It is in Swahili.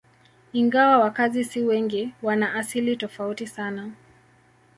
Ingawa wakazi si wengi, wana asili tofauti sana.